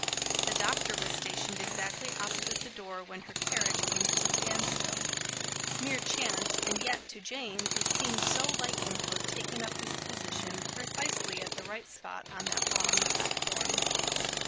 The doctor was stationed exactly opposite the door when her carriage came to a standstill; mere chance, and yet, to Jane, it seemed so like him to have taken up his position precisely at the right spot on that long platform.